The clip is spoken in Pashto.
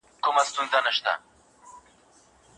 مینه هغه کلمه ده چي خلګ یې غلطه کاروي.